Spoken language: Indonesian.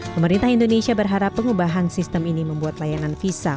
pemerintah indonesia berharap pengubahan sistem ini membuat layanan visa